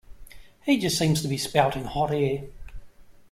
He just seems to be spouting hot air.